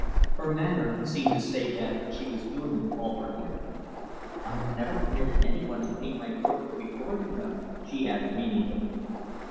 Her manner seemed to say that she was doing it all for him. "I have never permitted any one to paint my portrait before, you know," she added meaningly.